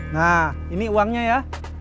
nah ini uangnya ya